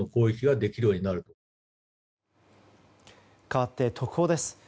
かわって特報です。